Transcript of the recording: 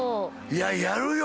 いややるよ。